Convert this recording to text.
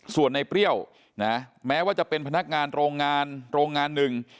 ส่วนในเปรี้ยวนะแม้ว่าจะเป็นพนักงานโรงงานโรงงานหนึ่ง